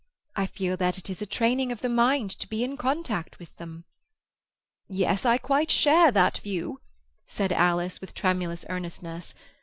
I feel that it is a training of the mind to be in contact with them." "Yes, I quite share that view," said Alice, with tremulous earnestness.